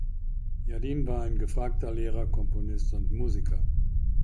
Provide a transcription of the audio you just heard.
Jadin war ein gefragter Lehrer, Komponist und Musiker.